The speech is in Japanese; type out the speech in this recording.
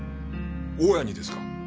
大家にですか？